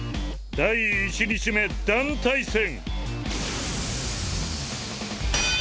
第１日目団体戦。